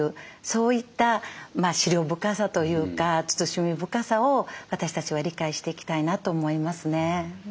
そういった思慮深さというか慎み深さを私たちは理解していきたいなと思いますね。